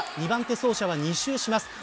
２番手走者は２周します。